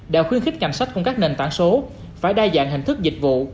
đã khuyến khích ngành sách cùng các nền tảng số phải đa dạng hình thức dịch vụ